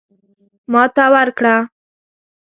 ماته ورکړه.